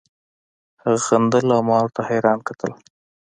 هغه خندل او ما ورته حيران کتل.